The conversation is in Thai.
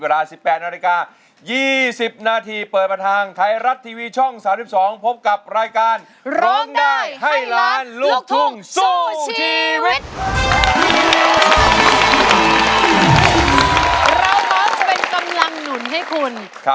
เราพร้อมเป็นกำลังหนุนให้คุณ